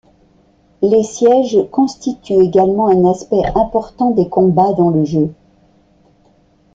Les sièges constituent également un aspect important des combats dans le jeu.